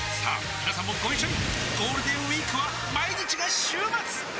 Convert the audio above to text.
みなさんもご一緒にゴールデンウィークは毎日が週末！